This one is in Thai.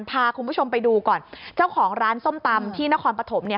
พาคุณผู้ชมไปดูก่อนเจ้าของร้านส้มตำที่นครปฐมเนี่ย